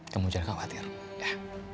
kamu jangan khawatir ya